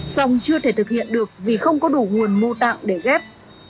song chưa thể thực hiện được vì không có đủ nguồn mô tạng để ghép